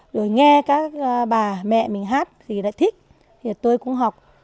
rồi nghe các bà mẹ mình hát thì đã thích thì tôi cũng học